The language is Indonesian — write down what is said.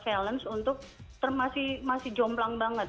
kita mendapat balance untuk termasih masih jomlang banget